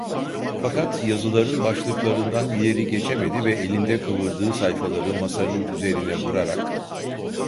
Fakat yazıların başlıklarından ileri geçemedi ve elinde kıvırdığı sayfaları masanın üzerine vurarak: